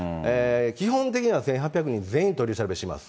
基本的には１８００人全員取り調べします。